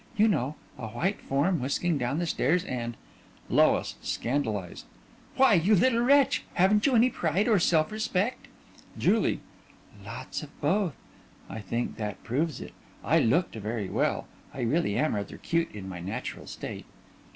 You know a white form whisking down the stairs and LOIS: (Scandalized) Why, you little wretch. Haven't you any pride or self respect? JULIE: Lots of both. I think that proves it. I looked very well. I really am rather cute in my natural state.